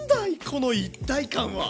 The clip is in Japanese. この一体感は。